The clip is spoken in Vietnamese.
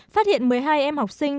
phát hiện một mươi hai em học sinh